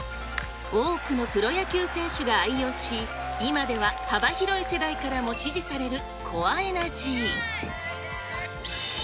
多くのプロ野球選手が愛用し、今では幅広い世代からも支持されるコアエナジー。